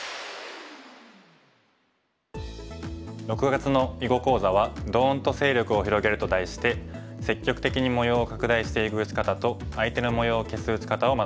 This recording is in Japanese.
６月の囲碁講座は「ドーンと勢力を広げる」と題して積極的に模様を拡大していく打ち方と相手の模様を消す打ち方を学びます。